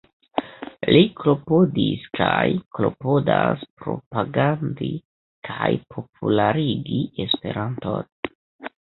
Li klopodis kaj klopodas propagandi kaj popularigi esperanton.